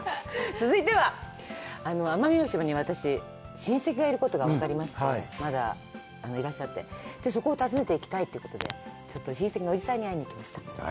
続いては、奄美大島に私、親戚がいることが分かりまして、まだいらっしゃって、そこを訪ねていきたいということで、親戚のおじさんに会いにいきました。